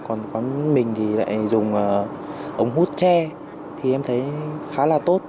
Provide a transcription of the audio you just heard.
còn mình thì lại dùng ống hút tre thì em thấy khá là tốt